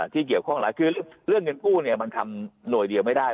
ที่เกี่ยวข้องหลายคือเรื่องเงินกู้มันทำหน่วยเดียวไม่ได้